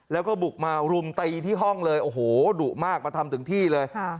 แล้วก็บุกมารุมตีที่ห้องเลยโอ้โหดุมากมาทำถึงที่เลย